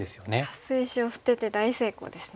カス石を捨てて大成功ですね。